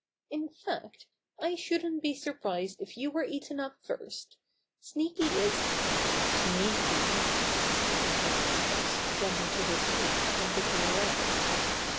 "In fact, I shouldn't be surprised if you were eaten up first. Sneaky is—" "Sneaky I'* exclaimed Mr. Fox, jumping to his feet, and looking around.